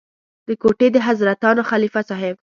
د کوټې د حضرتانو خلیفه صاحب.